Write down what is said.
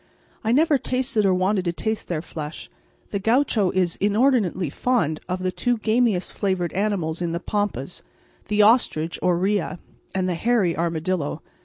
I never tasted or wanted to taste their flesh. The gaucho is inordinately fond of the two gamiest flavoured animals in the pampas the ostrich or rhea and the hairy armadillo.